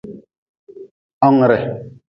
Hongre.